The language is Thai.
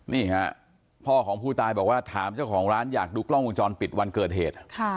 นี่ฮะพ่อของผู้ตายบอกว่าถามเจ้าของร้านอยากดูกล้องวงจรปิดวันเกิดเหตุ